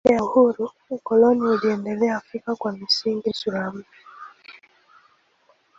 Baada ya uhuru ukoloni unaendelea Afrika kwa misingi na sura mpya.